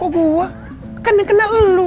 kok gua kan yang kenal lu